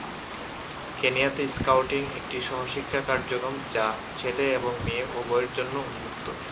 কেনিয়াতে scouting একটি সহশিক্ষা কার্যক্রম, যা ছেলে এবং মেয়ে উভয়ের জন্য উন্মুক্ত।